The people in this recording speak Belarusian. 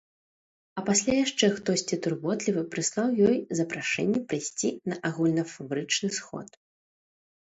А пасля яшчэ хтосьці турботлівы прыслаў ёй запрашэнне прыйсці на агульнафабрычны сход.